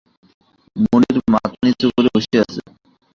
মুনির মাথা নিচু করে বসে আছে।